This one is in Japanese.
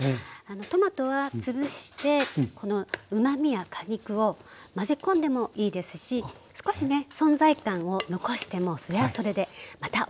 トマトは潰してこのうまみや果肉を混ぜ込んでもいいですし少しね存在感を残してもそれはそれでまたおいしいです。